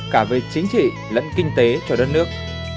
cả về chính trị lẫn kinh tế cho đất nước